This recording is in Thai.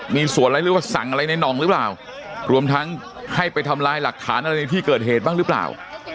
มีส่วนอะไรหรือว่าสั่งอะไรในน่องหรือเปล่ารวมทั้งให้ไปทำลายหลักฐานอะไรในที่เกิดเหตุบ้างหรือเปล่า